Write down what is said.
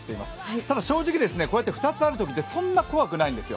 ただ正直、こうやって２つあるときって、そんなに怖くないんですよ。